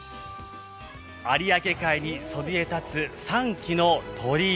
有明海にそびえ立つ３基の鳥居。